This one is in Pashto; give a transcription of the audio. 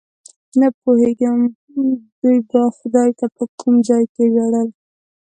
نه پوهېږم دوی به خدای ته په کوم ځای کې ژړل.